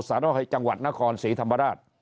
สหรัฐอาทิตย์จังหวัดนครศรีธรรมราช